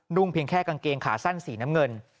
่งเพียงแค่กางเกงขาสั้นสีน้ำเงิน